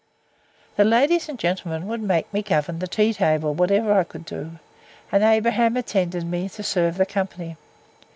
The ladies and gentlemen would make me govern the tea table, whatever I could do; and Abraham attended me, to serve the company.